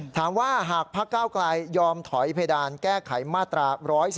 ถามว่าหากพักก้าวกลายยอมถอยเพดานแก้ไขมาตรา๑๑๒